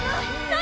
何！？